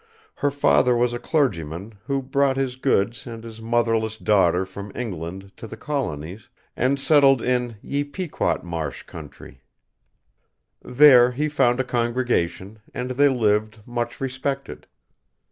Her father was a clergyman who brought his goods and his motherless daughter from England to the Colonies, and settled in "ye Pequot Marsh country." There he found a congregation, and they lived much respected.